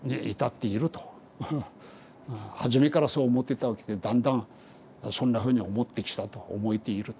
はじめからそう思ってたわけでだんだんそんなふうに思ってきたと思えていると。